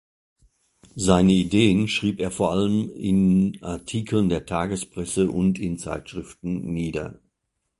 Seine Ideen schrieb er vor allem in Artikeln der Tagespresse und in Zeitschriften nieder.